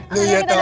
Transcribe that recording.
ini lihat dong